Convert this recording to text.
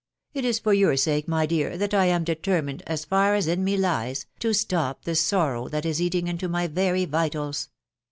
.... it is for your sake, my dear, that I am determined, as far as in me lies, to stop the sorrow that is eating into my very vitals.